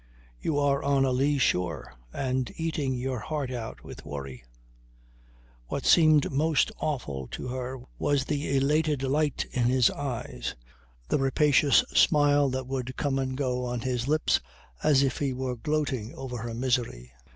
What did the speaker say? You are on a lee shore and eating your heart out with worry." What seemed most awful to her was the elated light in his eyes, the rapacious smile that would come and go on his lips as if he were gloating over her misery.